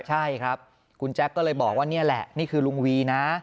ใช่ครับคุณแจ๊คก็เลยบอกว่านี่แหละนี่คือลุงวีนะ